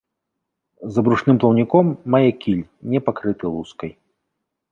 За брушным плаўніком мае кіль, не пакрыты лускай.